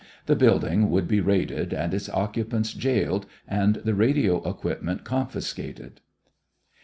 The building would be raided and its occupants jailed and the radio equipment confiscated.